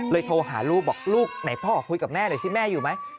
โทรหาลูกบอกลูกไหนพ่อคุยกับแม่หน่อยสิแม่อยู่ไหม